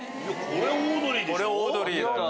これオードリーだよね。